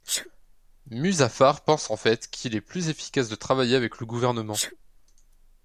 Muzaffar pense en fait qu’il est plus efficace de travailler avec le Gouvernement.